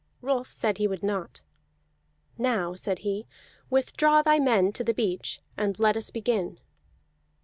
Rolf said he would not. "Now," said he, "withdraw thy men to the beach, and let us begin."